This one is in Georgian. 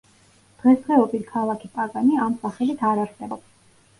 დღესდღეობით ქალაქი პაგანი, ამ სახელით არ არსებობს.